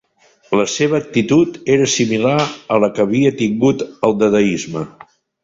La seva actitud era similar a la que havia tingut el dadaisme.